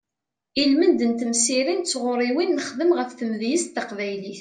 Ilmend n temsirin d tɣuriwin nexdem ɣef tmedyazt taqbaylit.